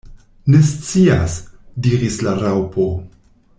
"Ne scias," diris la Raŭpo.